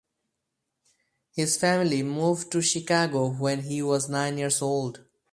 His family moved to Chicago when he was nine years old.